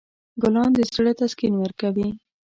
ګلان د زړه تسکین ورکوي.